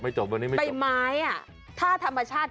ใบไม้ถ้าธรรมชาติ